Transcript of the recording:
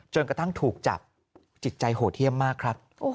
จนกระทั่งถูกจับจิตใจโหดเยี่ยมมากครับ